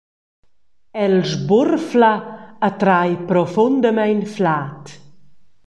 El sburfla e trai profundamein flad.